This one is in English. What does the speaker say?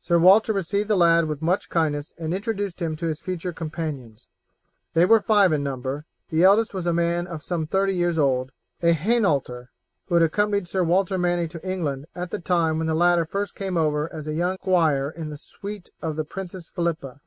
Sir Walter received the lad with much kindness and introduced him to his future companions. They were five in number; the eldest was a man of some thirty years old, a Hainaulter, who had accompanied Sir Walter Manny to England at the time when the latter first came over as a young squire in the suite of the Princess Philippa.